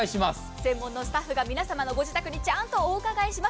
専門のスタッフが皆様のご自宅にちゃんとお伺いします。